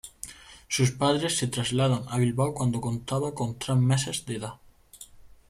Sus padres se trasladan a Bilbao cuando contaba con tres meses de edad.